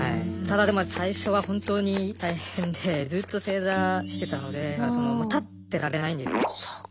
ただでも最初は本当に大変でずっと正座してたので立ってられないんです。